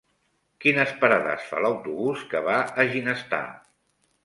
Quines parades fa l'autobús que va a Ginestar?